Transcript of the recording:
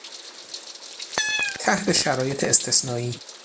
تحت شرایط استثنایی...